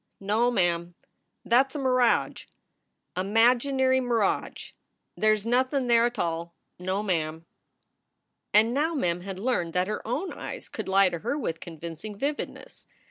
"No ma am, that s a miradge a maginary miradge. They s nothin there at tall no ma am." And now Mem had learned that her own eyes could lie to her with convincing vividness.